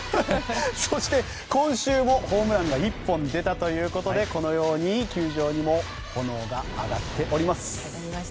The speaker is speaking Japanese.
そして今週もホームランが１本出たということでこのように球場にも炎が上がっております。